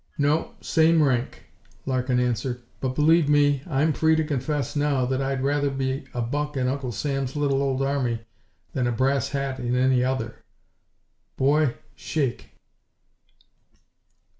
"No, same rank," Larkin answered. "But believe me, I'm free to confess now that I'd rather be a buck in Uncle Sam's little old army than a brass hat in any other. Boy, shake!"